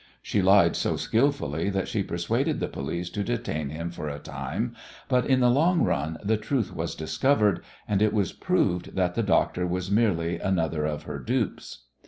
She lied so skilfully that she persuaded the police to detain him for a time, but in the long run the truth was discovered, and it was proved that the doctor was merely another of her dupes.